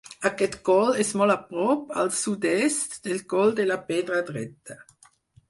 Aquest coll és molt a prop al sud-est del Coll de la Pedra Dreta.